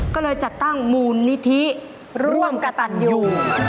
ก็เลยจัดตั้งมูลนิธิร่วมกระตันอยู่